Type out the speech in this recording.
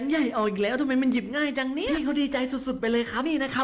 น่าไปหน่อยงั้นนะ